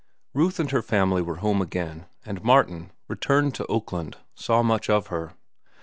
Ruth and her family were home again, and Martin, returned to Oakland, saw much of her.